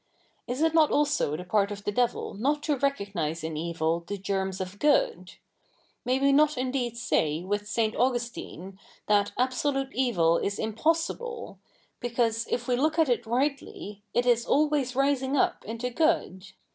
Is it not also the part of the devil not to recognise i?i evil the ger?ns of good ? May we not indeed say with St. Augustine, that absolute evil is impossible, because, if we look at it rightly, it is always rising up into good